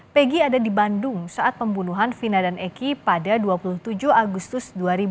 pegi ada di bandung saat pembunuhan vina dan eki pada dua puluh tujuh agustus dua ribu dua puluh